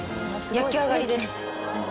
焼き上がりです。